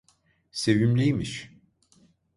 Sevimliymiş.